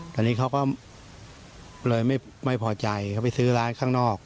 ตอนนี้เขาก็เลยไม่พอใจเขาไปซื้อร้านข้างนอก